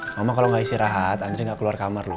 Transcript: mama kalau nggak istirahat andri nggak keluar kamar lu